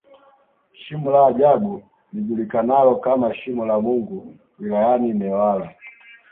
Shimo la ajabu lijulikanalo kama Shimo la Mungu wilayani Newala